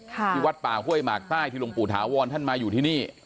ที่วัดป่าห้วยหมากใต้ที่หลวงปู่ถาวรท่านมาอยู่ที่นี่